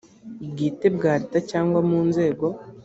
bwite bwa leta cyangwa mu nzego